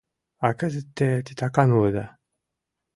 А кызыт те титакан улыда!